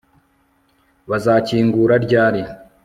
Bazakingura ryari